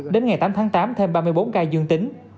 đến ngày tám tháng tám thêm ba mươi bốn ca dương tính